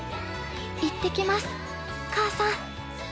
行ってきます母さん。